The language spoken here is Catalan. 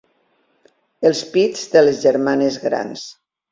Els pits de les germanes grans.